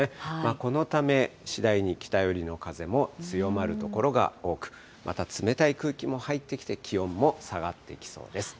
このため、次第に北寄りの風も強まる所が多く、また冷たい空気も入ってきて、気温も下がってきそうです。